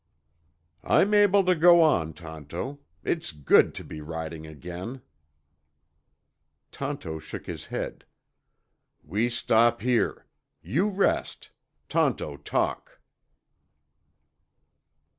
"I'm able to go on, Tonto. It's good to be riding again." Tonto shook his head. "We stop here. You rest. Tonto talk."